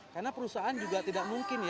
karena perusaan juga tidak mungkin